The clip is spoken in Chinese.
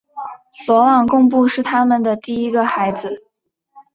索朗贡布是他们的第一个孩子。